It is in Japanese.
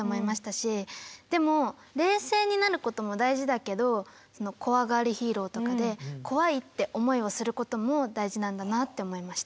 でも冷静になることも大事だけど「こわがりヒーロー」とかでこわいって思いをすることも大事なんだなって思いました。